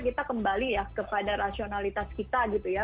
kita kembali ya kepada rasionalitas kita gitu ya